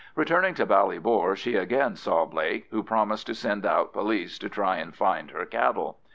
Returning to Ballybor, she again saw Blake, who promised to send out police to try and find her cattle.